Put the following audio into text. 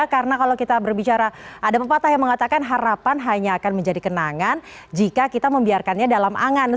karena kalau kita berbicara ada pepatah yang mengatakan harapan hanya akan menjadi kenangan jika kita membiarkannya dalam angan